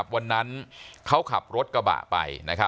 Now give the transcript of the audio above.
วันนั้นเขาขับรถกระบะไป